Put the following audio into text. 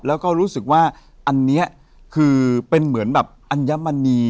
แล้วก็รู้สึกว่าอันนี้คือเป็นเหมือนแบบอัญมณี